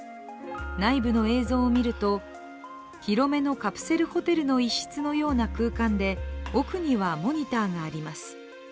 内部の映像を見ると、広めのカプセルホテルの一室のような空間で、奥にはモニターがあります。